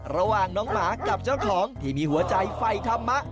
ระหว่างน้องหมากับเจ้าของที่มีหัวใจไฟธรรมะ